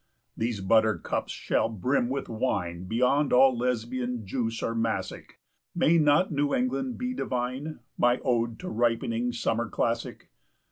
"These buttercups shall brim with wine 5 Beyond all Lesbian juice or Massic; May not New England be divine? My ode to ripening summer classic?